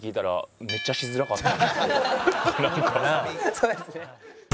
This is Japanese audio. そうですね。